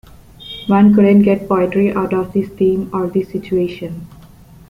One couldn't get poetry out of this theme or this situation.